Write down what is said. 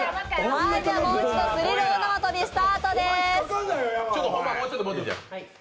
もう一度スリル大縄跳びスタートです。